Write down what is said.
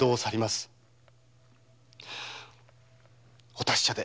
お達者で。